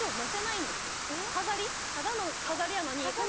ただの飾りやのにこの。